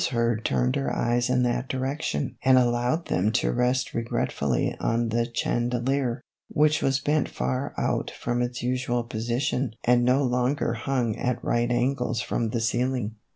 Hurd turned her eyes in that direction and allowed them to rest regretfully on the chandelier, which was bent far out from its usual position and no longer hung at right angles from the ceiling.